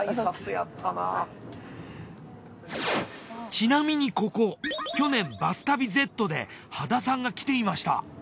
ちなみにここ去年「バス旅Ｚ」で羽田さんが来ていました。